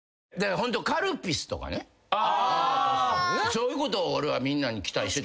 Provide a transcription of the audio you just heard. そういうことを俺はみんなに期待してた。